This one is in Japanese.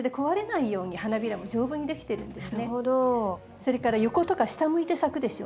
それから横とか下向いて咲くでしょ？